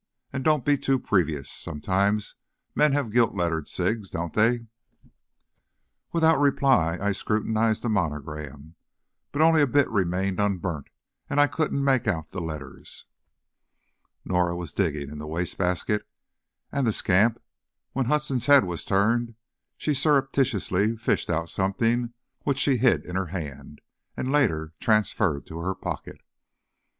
"And don't be too previous; sometimes men have gilt lettered cigs, don't they?" Without reply, I scrutinized the monogram. But only a bit remained unburnt, and I couldn't make out the letters. Norah was digging in the waste basket, and, the scamp! when Hudson's head was turned, she surreptitiously fished out something which she hid in her hand, and later transferred to her pocket.